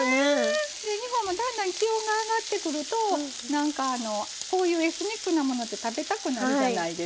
日本もだんだん気温が上がってくるとこういうエスニックなものって食べたくなるじゃないですか。